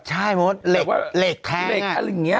ใช่โมดเหล็กแทงอ่ะอะไรอย่างนี้